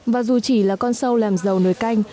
và dù chỉ là con sâu làm dầu nồi canh